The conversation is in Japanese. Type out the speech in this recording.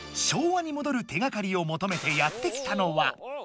昭和に戻る手がかりをもとめてやって来たのは？